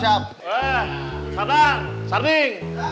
wah satan sarning